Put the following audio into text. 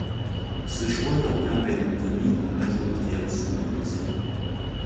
Ce choix leur permet d'obtenir la majorité absolue des élus.